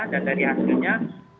dan dari hasilnya